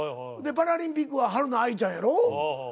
でパラリンピックははるな愛ちゃんやろ。